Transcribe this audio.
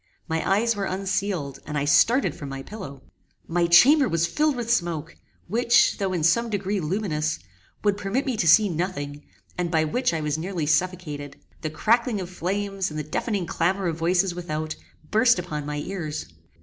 My eyes were unsealed, and I started from my pillow. My chamber was filled with smoke, which, though in some degree luminous, would permit me to see nothing, and by which I was nearly suffocated. The crackling of flames, and the deafening clamour of voices without, burst upon my ears.